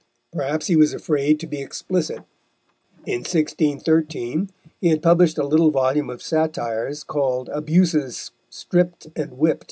Perhaps he was afraid to be explicit. In 1613 he had published a little volume of satires, called Abuses stript and whipt.